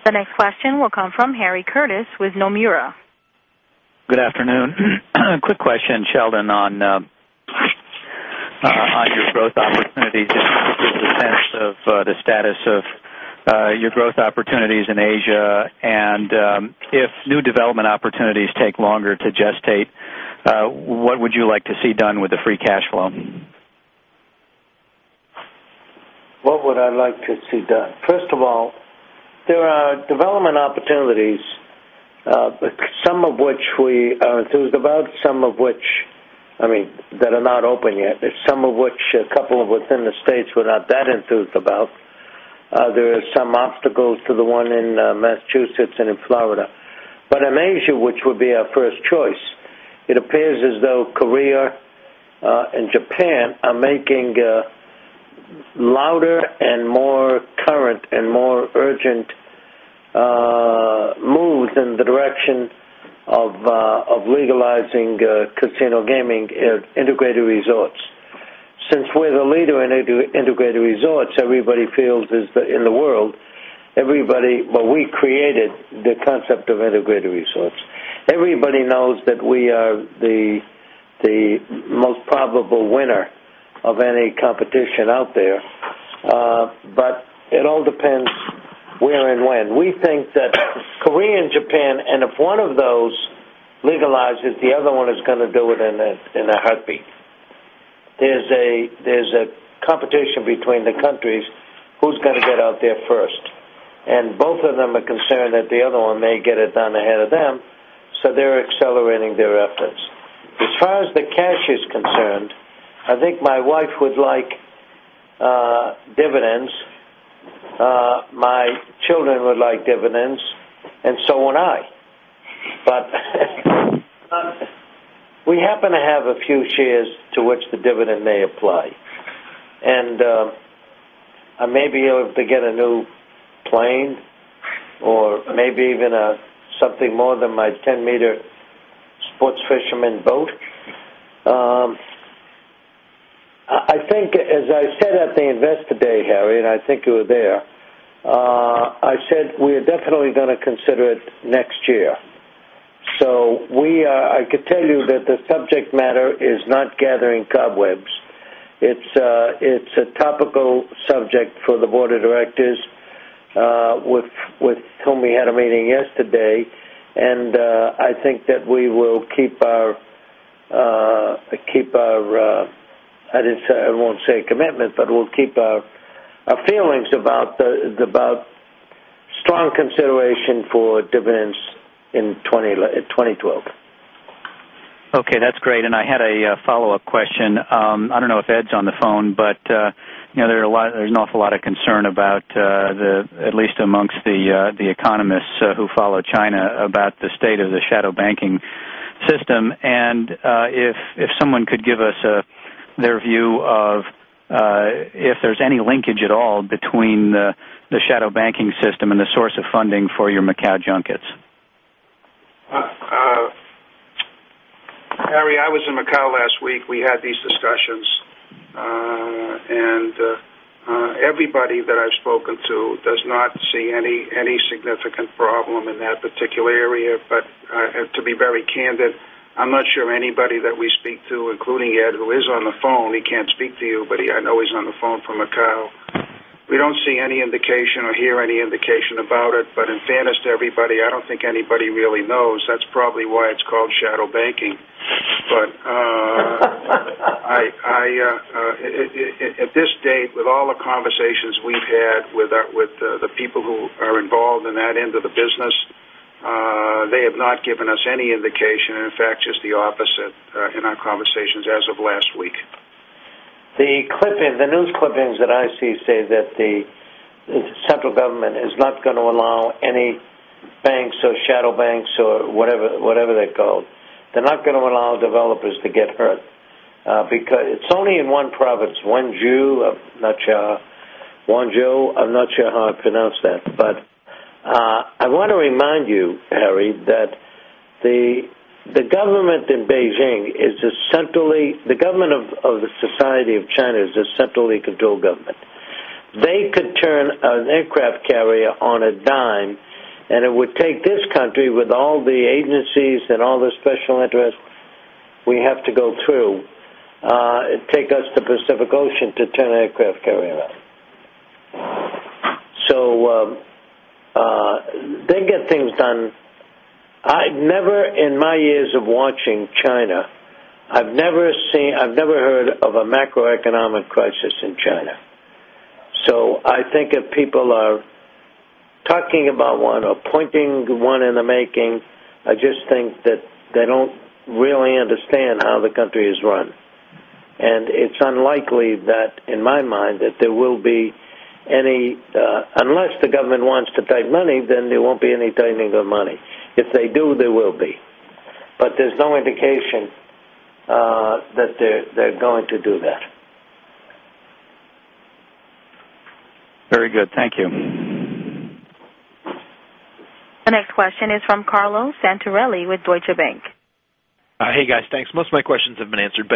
The next question will come from Harry Curtis with Nomura. Good afternoon. A quick question, Sheldon, on your growth opportunities. What is the status of your growth opportunities in Asia? If new development opportunities take longer to gestate, what would you like to see done with the free cash flow? What would I like to see done? First of all, there are development opportunities, some of which we are enthused about, some of which are not open yet. There are some of which, a couple within the states, we're not that enthused about. There are some obstacles to the one in Massachusetts and in Florida. In Asia, which would be our first choice, it appears as though Korea and Japan are making louder, more current, and more urgent moves in the direction of legalizing casino gaming at integrated resorts. Since we're the leader in integrated resorts, everybody feels in the world that we created the concept of integrated resorts. Everybody knows that we are the most probable winner of any competition out there. It all depends where and when. We think that Korea and Japan, if one of those legalizes, the other one is going to do it in a heartbeat. There's a competition between the countries, who's going to get out there first. Both of them are concerned that the other one may get it done ahead of them, so they're accelerating their efforts. As far as the cash is concerned, I think my wife would like dividends. My children would like dividends, and so would I. We happen to have a few shares to which the dividend may apply, and I may be able to get a new plane or maybe even something more than my 10-meter sports fisherman boat. I think, as I said at the Investor Day, Harry, and I think you were there, I said we are definitely going to consider it next year. I could tell you that the subject matter is not gathering cobwebs. It's a topical subject for the Board of Directors, with whom we had a meeting yesterday. I think that we will keep our—I won't say a commitment, but we'll keep our feelings about strong consideration for dividends in 2012. OK. That's great. I had a follow-up question. I don't know if Ed's on the phone. There's an awful lot of concern, at least amongst the economists who follow China, about the state of the shadow banking system. If someone could give us their view of if there's any linkage at all between the shadow banking system and the source of funding for your Macau junkets. Harry, I was in Macau last week. We had these discussions. Everybody that I've spoken to does not see any significant problem in that particular area. To be very candid, I'm not sure anybody that we speak to, including Ed, who is on the phone, he can't speak to you. I know he's on the phone from Macau. We don't see any indication or hear any indication about it. In fairness to everybody, I don't think anybody really knows. That's probably why it's called shadow banking. At this date, with all the conversations we've had with the people who are involved in that end of the business, they have not given us any indication. In fact, just the opposite in our conversations as of last week. The news clippings that I see say that the central government is not going to allow any banks or shadow banks or whatever they're called, they're not going to allow developers to get hurt. It's only in one province, Wanzhou. I'm not sure how I pronounce that. I want to remind you, Harry, that the government in Beijing is essentially the government of the Society of China, it is a centrally controlled government. They could turn an aircraft carrier on a dime. It would take this country, with all the agencies and all the special interests we have to go through, it'd take us to the Pacific Ocean to turn an aircraft carrier around. They can get things done. I've never, in my years of watching China, I've never seen, I've never heard of a macroeconomic crisis in China. I think if people are talking about one or pointing one in the making, I just think that they don't really understand how the country is run. It's unlikely that, in my mind, there will be any, unless the government wants to take money, then there won't be any taking of money. If they do, there will be. There's no indication that they're going to do that. Very good. Thank you. The next question is from Carlo Santarelli with Deutsche Bank. Hey, guys. Thanks. Most of my questions have been answered.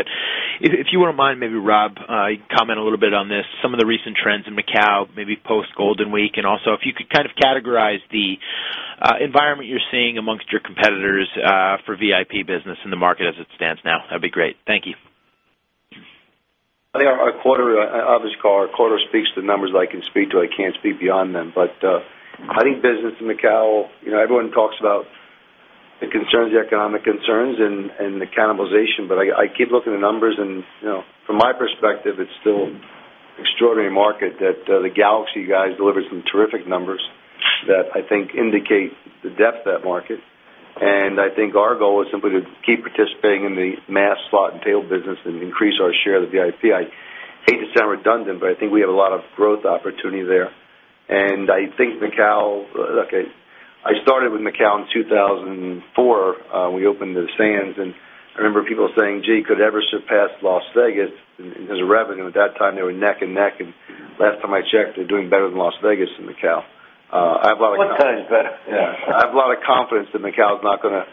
If you wouldn't mind, maybe, Rob, could you comment a little bit on some of the recent trends in Macau, maybe post-Golden Week? Also, if you could kind of categorize the environment you're seeing amongst your competitors for VIP business in the market as it stands now, that'd be great. Thank you. I think our quarterly average quarter speaks to the numbers that I can speak to. I can't speak beyond them. I think business in Macau, everyone talks about the economic concerns and the cannibalization. I keep looking at the numbers. From my perspective, it's still an extraordinary market. The Galaxy guys delivered some terrific numbers that I think indicate the depth of that market. I think our goal is simply to keep participating in the mass slot and table business and increase our share of the VIP. I hate to sound redundant, but I think we have a lot of growth opportunity there. I think Macau, OK, I started with Macau in 2004. We opened the Sands. I remember people saying, gee, could it ever surpass Las Vegas in terms of revenue? At that time, they were neck and neck. Last time I checked, they're doing better than Las Vegas in Macau. I have a lot of. One time's better. Yeah. I have a lot of confidence that Macau is not going to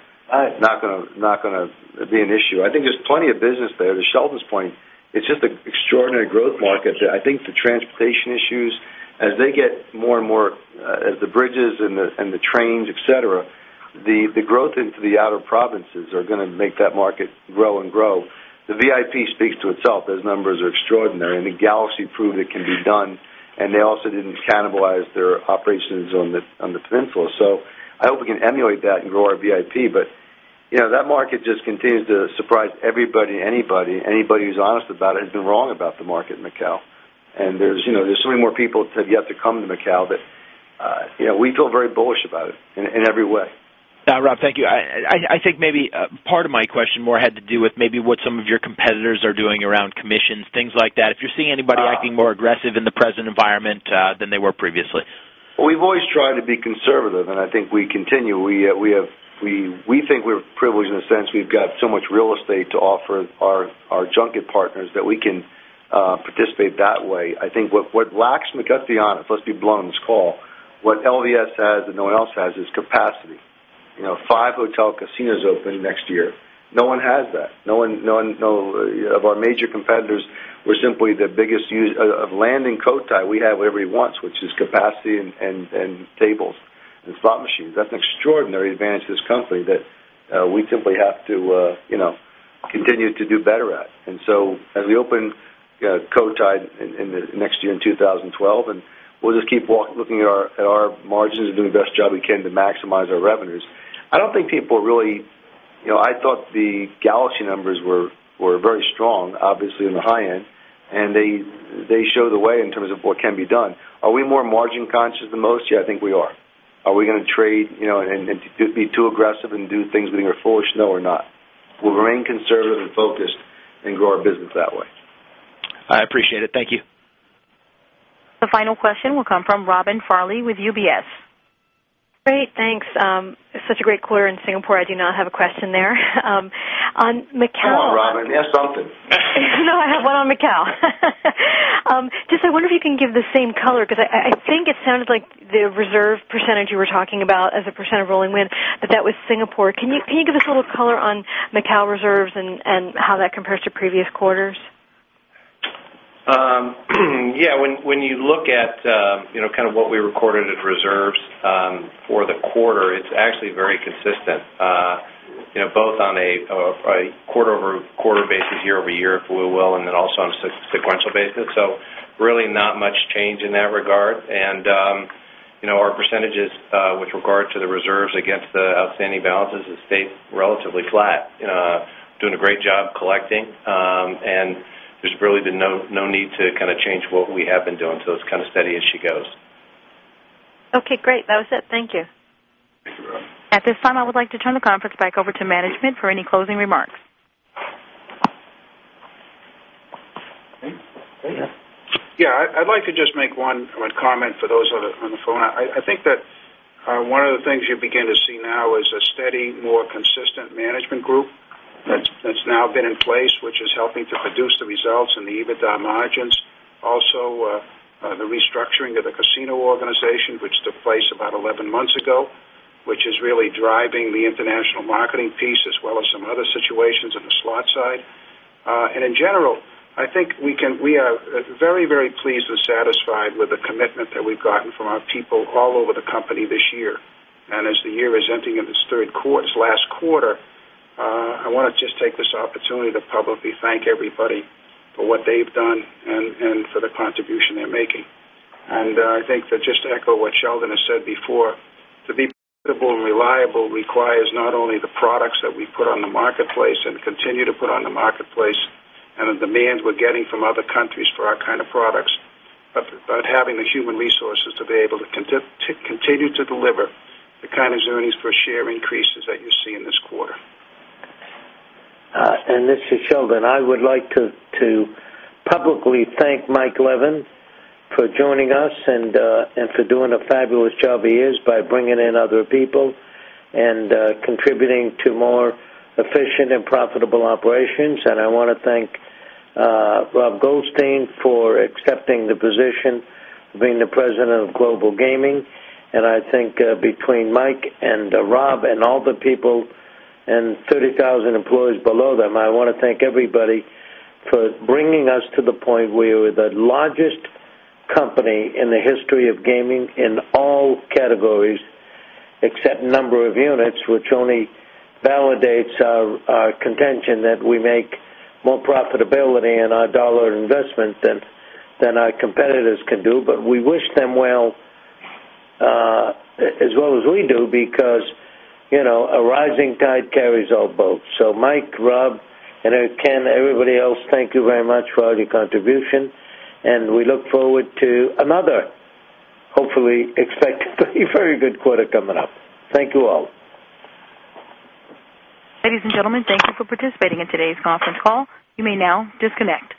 be an issue. I think there's plenty of business there. To Sheldon's point, it's just an extraordinary growth market. I think the transportation issues, as they get more and more, as the bridges and the trains, etc., the growth into the outer provinces are going to make that market grow and grow. The VIP speaks to itself. Those numbers are extraordinary. I think Galaxy proved it can be done. They also didn't cannibalize their operations on the peninsula. I hope we can emulate that and grow our VIP. That market just continues to surprise everybody and anybody. Anybody who's honest about it has been wrong about the market in Macau. There are so many more people yet to come to Macau that we feel very bullish about it in every way. Rob, thank you. I think maybe part of my question more had to do with maybe what some of your competitors are doing around commission structures, things like that, if you're seeing anybody acting more aggressive in the present environment than they were previously. We've always tried to be conservative, and I think we continue. We think we're privileged in the sense we've got so much real estate to offer our junket partners that we can participate that way. I think what lacks Macau, to be honest, let's be blunt on this call, what LVS has and no one else has is capacity. You know, five hotel casinos open next year. No one has that. None of our major competitors were simply the biggest user of land in Cotai. We have what everybody wants, which is capacity and tables and slot machines. That's an extraordinary advantage to this company that we simply have to continue to do better at. As we open Cotai next year in 2012, we'll just keep looking at our margins and doing the best job we can to maximize our revenues. I don't think people really, you know, I thought the Galaxy numbers were very strong, obviously, in the high end, and they show the way in terms of what can be done. Are we more margin conscious than most? Yeah, I think we are. Are we going to trade and be too aggressive and do things we think are foolish? No, we're not. We'll remain conservative and focused and grow our business that way. I appreciate it. Thank you. The final question will come from Robin Farley with UBS. Great. Thanks. Such a great quarter in Singapore. I do not have a question there. On Macau. Robin, you have something. No, I have one on Macau. I wonder if you can give the same color because I think it sounded like the reserve percentage you were talking about as a % of rolling win, that that was Singapore. Can you give us a little color on Macau reserves and how that compares to previous quarters? Yeah. When you look at kind of what we recorded as reserves for the quarter, it's actually very consistent, both on a quarter-over-quarter basis, year-over-year, if you will, and also on a sequential basis. Really not much change in that regard. Our percentages with regard to the reserves against the outstanding balances have stayed relatively flat, doing a great job collecting. There's really been no need to change what we have been doing. It's kind of steady as she goes. OK. Great. That was it. Thank you. At this time, I would like to turn the conference back over to management for any closing remarks. Yeah. I'd like to just make one comment for those on the phone. I think that one of the things you're beginning to see now is a steady, more consistent management group that's now been in place, which is helping to reduce the results and the EBITDA margins. Also, the restructuring of the casino organization, which took place about 11 months ago, is really driving the international marketing piece, as well as some other situations on the slot side. In general, I think we are very, very pleased and satisfied with the commitment that we've gotten from our people all over the company this year. As the year is entering its third quarter, its last quarter, I want to just take this opportunity to publicly thank everybody for what they've done and for the contribution they're making. I think to just echo what Sheldon has said before, to be reliable requires not only the products that we put on the marketplace and continue to put on the marketplace and the demands we're getting from other countries for our kind of products, but having the human resources to be able to continue to deliver the kind of journeys for share increases that you see in this quarter. This is Sheldon. I would like to publicly thank Mike Leven for joining us and for doing a fabulous job he is by bringing in other people and contributing to more efficient and profitable operations. I want to thank Rob Goldstein for accepting the position of being the President of Global Gaming. I think between Mike and Rob and all the people and 30,000 employees below them, I want to thank everybody for bringing us to the point where we're the largest company in the history of gaming in all categories, except the number of units, which only validates our contention that we make more profitability in our dollar investment than our competitors can do. We wish them well, as well as we do, because a rising tide carries all boats. Mike, Rob, and Ken, everybody else, thank you very much for all your contribution. We look forward to another, hopefully, very good quarter coming up. Thank you all. Ladies and gentlemen, thank you for participating in today's conference call. You may now disconnect.